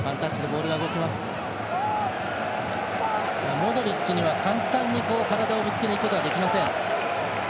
モドリッチには、簡単に体をぶつけることはできません。